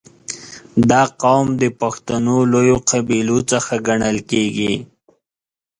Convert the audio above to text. • دا قوم د پښتنو لویو قبیلو څخه ګڼل کېږي.